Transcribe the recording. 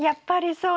そう！